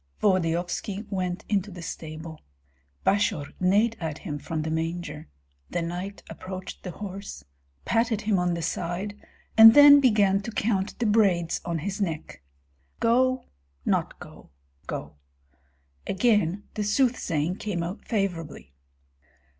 Volodyovski went into the stable. Basior neighed at him from the manger; the knight approached the horse, patted him on the side, and then began to count the braids on his neck. "Go not go go." Again the soothsaying came out favorably.